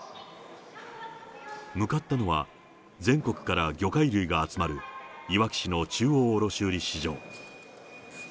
向かったのは、全国から魚介類が集まるいわき市の中央卸売市場。